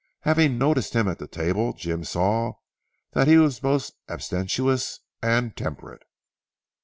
Having noticed him at the table Jim saw that he was both abstemious and temperate.